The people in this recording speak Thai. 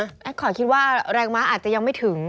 แอคคอร์ดคิดว่าแรงม้าอาจจะยังไม่ถึง